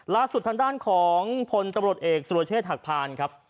ลักษุทางด้านของผลตำรวจเอกสุโรเชษฐ์หักพาล